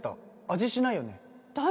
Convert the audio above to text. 味しないよねだ